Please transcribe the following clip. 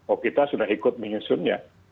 oh kita sudah ikut menyusunnya